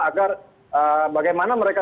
agar bagaimana mereka